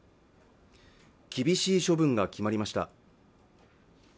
厳しい処分が決まりました